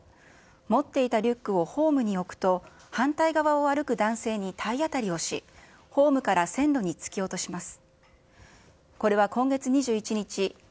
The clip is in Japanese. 持っていたリュックをホームに置くと反対側を歩く男性に体当たりをし、ホームから線路に突き落とします。